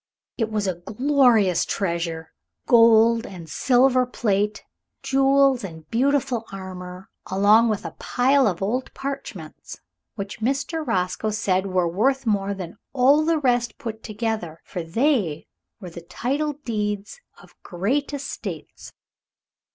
It was a glorious treasure gold and silver plate, jewels and beautiful armor, along with a pile of old parchments which Mr. Roscoe said were worth more than all the rest put together, for they were the title deeds of great estates.